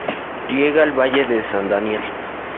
Riega el valle de San Daniel.